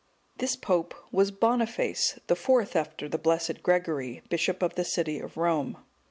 This pope was Boniface, the fourth after the blessed Gregory, bishop of the city of Rome.